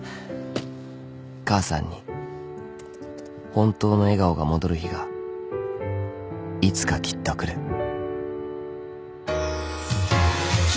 ［母さんに本当の笑顔が戻る日がいつかきっと来る］